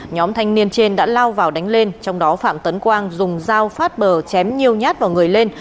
nhóm thanh niên trên đã lao vào đánh lên trong đó phạm tấn quang dùng dao phát bờ chém nhiều nhát vào người lên